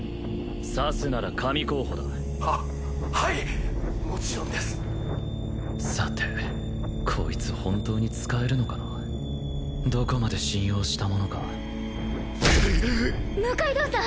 刺すなら神候補だははいもちろんですさてこいつ本当に使えるのかなどこまで信用したものか六階堂さん